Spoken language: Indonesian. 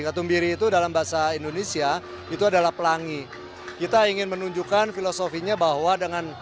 katumbiri itu dalam bahasa indonesia itu adalah pelangi kita ingin menunjukkan filosofinya bahwa dengan